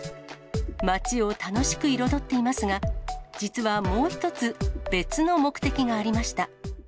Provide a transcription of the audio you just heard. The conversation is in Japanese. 街を楽しく彩っていますが、実はもう一つ、別の目的がありました。